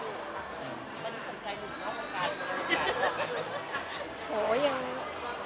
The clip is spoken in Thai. แต่หนูสนใจดูดว่ามั้งกัน